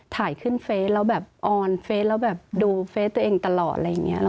ถ่ายขึ้นเฟสแล้วแบบออนเฟสแล้วแบบดูเฟสตัวเองตลอดอะไรอย่างนี้